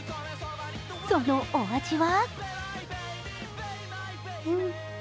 そのお味は？